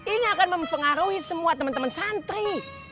ini akan mempengaruhi semua temen temen santri